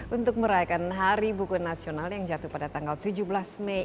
untuk merayakan hari buku nasional yang jatuh pada tanggal tujuh belas mei